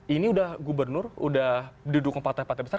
ini udah gubernur udah didukung partai partai besar